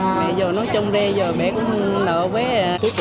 mẹ giờ nói chung đây giờ mẹ cũng nợ với